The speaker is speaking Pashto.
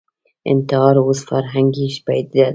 انتحار اوس فرهنګي پدیده ده